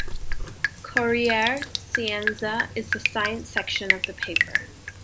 "Corriere Scienza" is the science section of the paper.